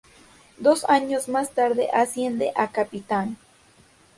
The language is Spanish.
Dos años más tarde asciende a capitán.